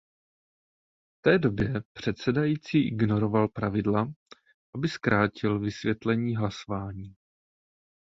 V té době předsedající ignoroval pravidla, aby zkrátil vysvětlení hlasování.